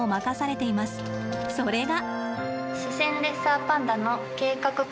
それが。